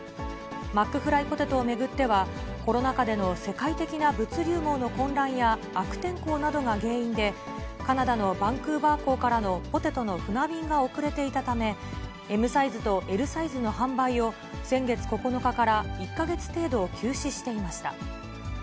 マックフライポテトを巡っては、コロナ禍での世界的な物流網の混乱や、悪天候などが原因で、カナダのバンクーバー港からのポテトの船便が遅れていたため、ＭサイズとＬサイズの販売を先月９日から、１か月程度、休止していました。